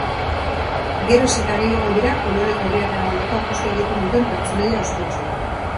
Geroz eta gehiago dira kolore gorriaren aldeko apustua egiten duten pertsonaia ospetsuak.